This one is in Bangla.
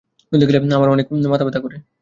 রোদে গেলে আমার অনেক মাথা ব্যথা করে।